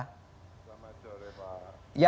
selamat sore pak